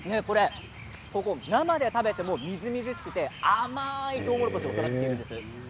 生で食べても、みずみずしくて甘いとうもろこしを育てているんです。